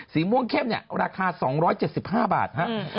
สีม่วงเข้มราคา๒๗๕บาท